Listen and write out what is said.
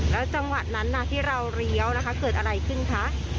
แล้วจังหวะนั้นที่เราเลี้ยวนะคะเกิดอะไรขึ้นคะ